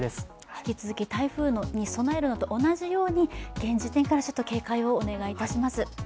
引き続き台風に備えるのと同じように厳重に警戒をお願いします。